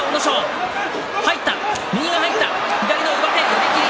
寄り切り。